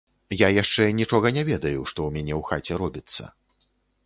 Я яшчэ нічога не ведаю, што ў мяне ў хаце робіцца.